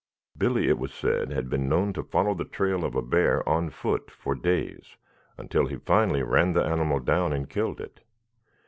Billy, it was said, had been known to follow the trail of a bear on foot for days until he finally ran the animal down and killed it.